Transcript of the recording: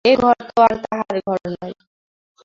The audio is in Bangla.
এ ঘর তো আর তাহার ঘর নয়।